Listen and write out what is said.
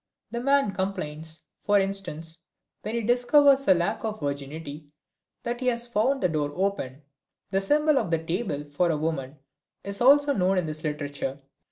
The man complains, for instance, when he discovers a lack of virginity, that he has found the door open. The symbol of the table for woman is also known to this literature.